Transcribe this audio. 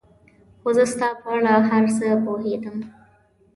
خو زه ستا په اړه په هر څه پوهېدم.